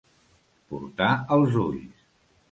Portar els ulls.